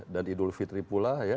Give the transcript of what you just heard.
dan idul fitri pula ya